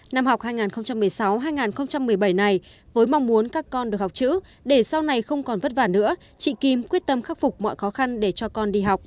năm học hai nghìn một mươi sáu hai nghìn một mươi bảy này với mong muốn các con được học chữ để sau này không còn vất vả nữa chị kim quyết tâm khắc phục mọi khó khăn để cho con đi học